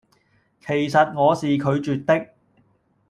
其實我是拒絕的